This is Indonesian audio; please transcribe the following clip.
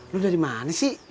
lu dari mana sih